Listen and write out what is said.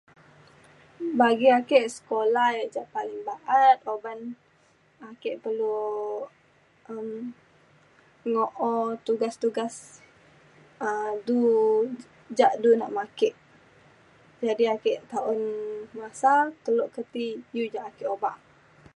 Bagi ake sekula ya ja paling ba’at uban ake perlu um ngo’o tugas tugas um du ja du nak me ake. Jadi ake nta un masa kelo ke ti iu ja ake obak